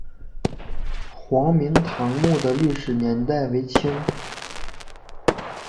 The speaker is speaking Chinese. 黄明堂墓的历史年代为清。